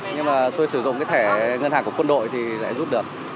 nhưng mà tôi sử dụng cái thẻ ngân hàng của quân đội thì lại rút được